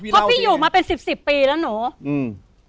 พอพี่อยู่มาเป็น๑๐ปีแล้วหนู